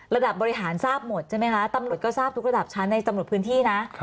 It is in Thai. ระดับบริหารทราบหมดใช่ไหมคะตำรวจก็ทราบทุกระดับชั้นในตำรวจพื้นที่นะ